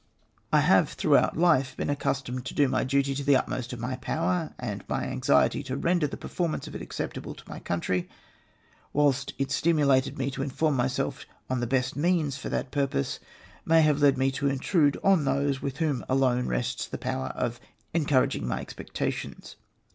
I have throughout life been accustomed to do my duty to the utmost of my power, and my anxiety to render the performance of it acceptable to my country, whilst it stimu lated me to inform myself on the best means for that pur pose, may have led me to intrude on those with whom alone rests the power of encouraging my expectations.